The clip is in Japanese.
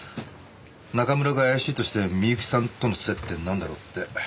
中村が怪しいとして美由紀さんとの接点なんだろう？って。